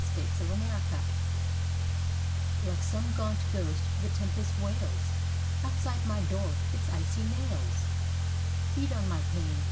THE LAMP AT THE WINDOW Like some gaunt ghost the tempest wails Outside my door; its icy nails Beat on my pane.